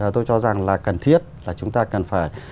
tôi cho rằng là cần thiết là chúng ta cần phải